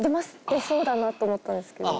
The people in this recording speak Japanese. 出そうだなと思ったんですけど。